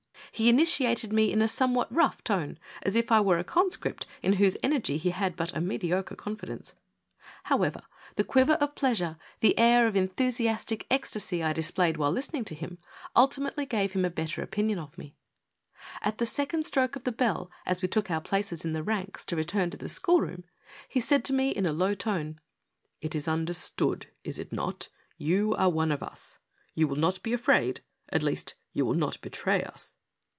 He initiated me in a somewhat rough tone, as if I were a conscript in whose energy he had but a mediocre confidence. However, the quiver ( 312 ) BIG MICHU. ./ 813 of pleasure, tlie air of enthusiastic ecstacy I disp]a 3 ^e(i while listening to him ultimately gave him a better opinion of mo. At the second stroke of the bell, as we took our places in the ranks to return to the school room, he said to me, in a low tone :" It is understood, is it not, you are one of us ? You will not be afraid, at least you will not betray us